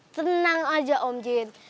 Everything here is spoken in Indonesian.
tenang aja om jin